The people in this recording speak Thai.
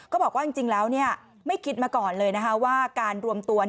ก็บอกว่าจริงแล้วไม่คิดมาก่อนเลยว่าการรวมตัว